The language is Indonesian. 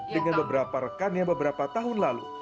dengan beberapa rekannya beberapa tahun lalu